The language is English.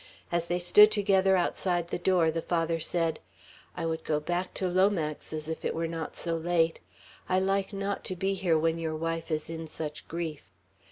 As they stood together outside the door, the Father said, "I would go back to Lomax's if it were not so late. I like not to be here when your wife is in such grief."